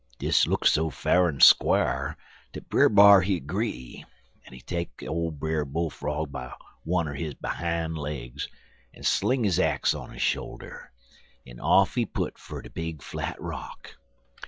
"Dis look so fa'r and squar' dat Brer B'ar he 'gree, en he take ole Brer Bull frog by wunner his behime legs, en sling his axe on his shoulder, en off he put fer de big flat rock.